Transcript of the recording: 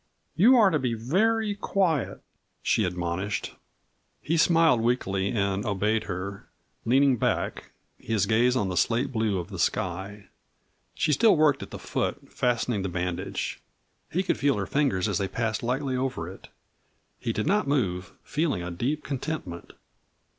"You are to be very quiet," she admonished. He smiled weakly and obeyed her, leaning back, his gaze on the slate blue of the sky. She still worked at the foot, fastening the bandage; he could feel her fingers as they passed lightly over it. He did not move, feeling a deep contentment.